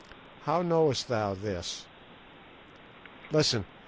"How knowest thou this?" "Listen.